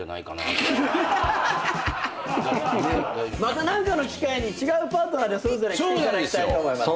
また何かの機会に違うパートナーでそれぞれ来ていただきたいと思います。